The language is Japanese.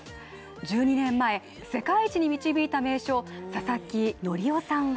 １２年前、世界一に導いた名将・佐々木則夫さんは